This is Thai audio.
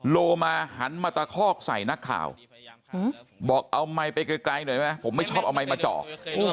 โลมาหันมาตะคอกใส่นักข่าวบอกเอาไมค์ไปไกลหน่อยไหมผมไม่ชอบเอาไมค์มาเจาะ